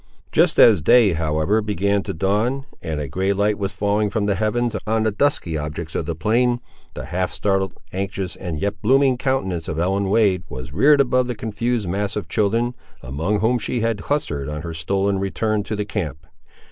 Just as day, however, began to dawn, and a grey light was falling from the heavens, on the dusky objects of the plain, the half startled, anxious, and yet blooming countenance of Ellen Wade was reared above the confused mass of children, among whom she had clustered on her stolen return to the camp.